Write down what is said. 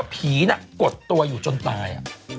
ผีน่ะกดตัวอยู่จนตาย